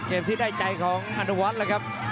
ยำจะกล้องลบม้าครับ